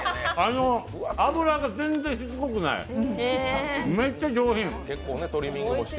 脂が全然しつこくないめっちゃ上品。